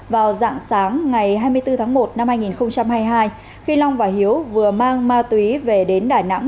vào dạng sáng ngày hai mươi bốn tháng một năm hai nghìn hai mươi hai khi long và hiếu vừa mang ma túy về đến đà nẵng